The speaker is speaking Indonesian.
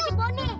sama si boni